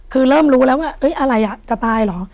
คือเริ่มรู้แล้วว่าอะไรจะตายเหรอ